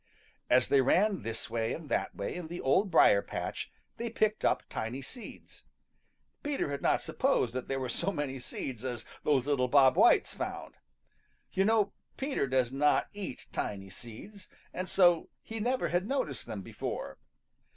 As they ran this way and that way in the Old Briar patch, they picked up tiny seeds. Peter had not supposed that there were so many seeds as those little Bob Whites found. You know Peter does not eat tiny seeds, and so he never had noticed them before.